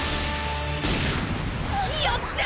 よっしゃ！